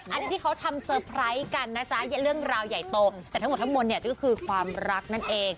อันนี้ที่เขาทำเซอร์ไพรส์กันนะจ๊ะเรื่องราวใหญ่โตแต่ทั้งหมดทั้งมวลเนี่ยก็คือความรักนั่นเอง